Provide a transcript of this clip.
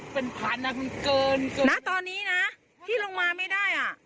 เป็นพันนะคุณเกินเกินณตอนนี้นะที่ลงมาไม่ได้อ่ะ